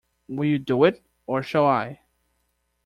Will you do it, or shall I?